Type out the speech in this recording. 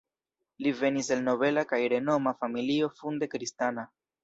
Li venis el nobela kaj renoma familio funde kristana.